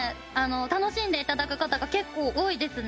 楽しんで頂く方が結構多いですね。